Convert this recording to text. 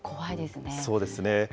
そうですね。